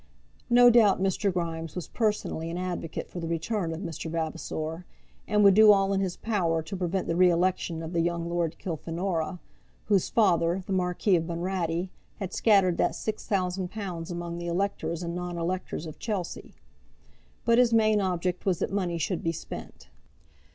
No doubt Mr. Grimes was personally an advocate for the return of Mr. Vavasor, and would do all in his power to prevent the re election of the young Lord Kilfenora, whose father, the Marquis of Bunratty, had scattered that six thousand pounds among the electors and non electors of Chelsea; but his main object was that money should be spent.